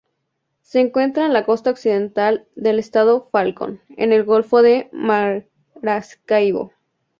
Se encuentra en la costa occidental del estado Falcón, en el Golfo de Maracaibo.